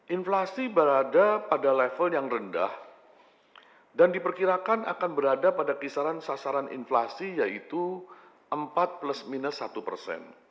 inflasi berada pada level yang rendah dan diperkirakan akan berada pada kisaran sasaran inflasi yaitu empat plus minus satu persen